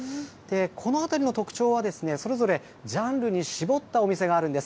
この辺りの特徴は、それぞれジャンルに絞ったお店があるんです。